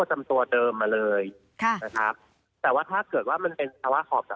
จริงค่ะ